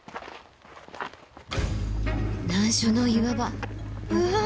難所の岩場うわ